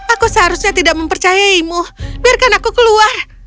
aku seharusnya tidak mempercayaimu biarkan aku keluar